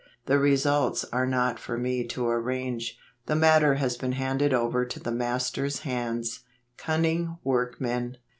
The results are not for me to arrange. The matter has been handed over to the Master's hands." Cunning Workmen.